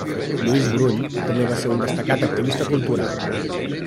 Lluís Brull també va ser un destacat activista cultural.